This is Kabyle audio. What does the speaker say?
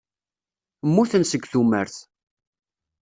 Mmuten seg tumert.